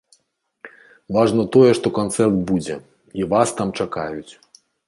Важна тое, што канцэрт будзе, і вас там чакаюць.